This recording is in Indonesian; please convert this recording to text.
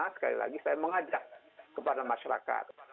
sekali lagi saya mengajak kepada masyarakat